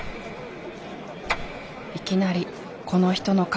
いきなりこの人の数。